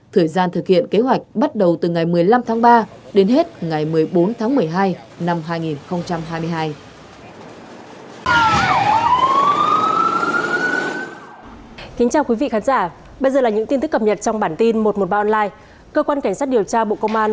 thời gian thực hiện kế hoạch bắt đầu từ ngày một mươi năm tháng ba đến hết ngày một mươi bốn tháng một mươi hai năm hai nghìn hai mươi hai